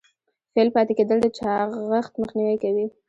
فعال پاتې کیدل د چاغښت مخنیوی کوي.